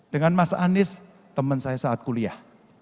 dengan mas anies teman saya saat kuliah